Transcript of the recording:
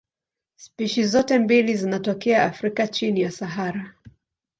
Spishi zote mbili zinatokea Afrika chini ya Sahara.